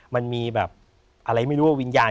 มันมีแบบอะไรไม่รู้ว่าวิญญาณ